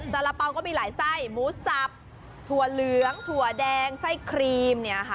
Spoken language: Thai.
สละเป๋าก็มีหลายไส้หมูจับถั่วเหลืองถั่วแดงไส้ครีม